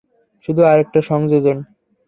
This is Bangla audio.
শুধু আরেকটা সংযোজন।